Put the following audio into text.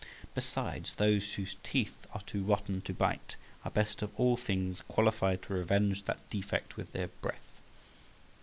Besides, those whose teeth are too rotten to bite are best of all others qualified to revenge that defect with their breath.